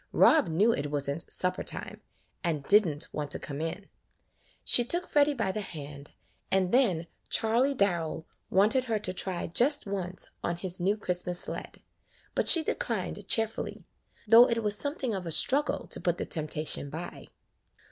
Rob knew it was n't supper time, and did n't want to come in. She took Freddy by the hand, and then Charley Darrell wanted her to try just once on his new Christmas sled, but she declined cheerfully, though it was something of a struggle to put the temptation by.